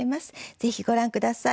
ぜひご覧下さい。